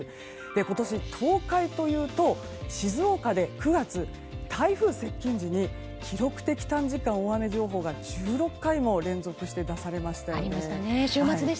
今年、東海というと静岡で９月台風接近時に記録的短時間大雨情報が１６回も連続して出されましたよね。